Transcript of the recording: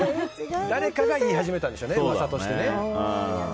誰かが言い始めたんでしょうね噂としてね。